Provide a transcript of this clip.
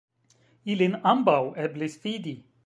Ilin ambaŭ eblis fidi.